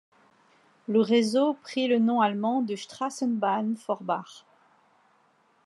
Le réseau pris le nom allemand de Straßenbahn Forbach.